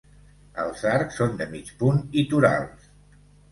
Els arcs són de mig punt i torals.